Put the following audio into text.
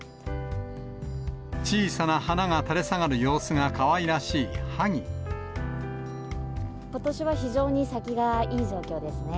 小さな花が垂れ下がる様子がことしは非常に咲きがいい状況ですね。